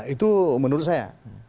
itu menurut saya